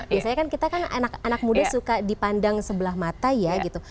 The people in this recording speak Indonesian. biasanya kan kita kan anak anak muda suka dipandang sebelah mata ya gitu